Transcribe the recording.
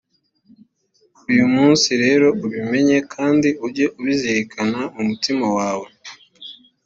uyu munsi rero ubimenye kandi ujye ubizirikana mu mutima wawe: